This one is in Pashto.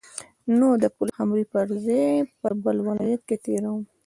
نو د پلخمري پر ځای به بل ولایت کې تیروم.